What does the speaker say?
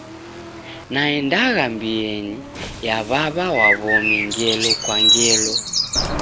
Naendagha mbienyi ya w'aw'a wa w'omi ngelo kwa ngelo.